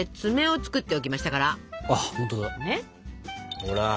ほら。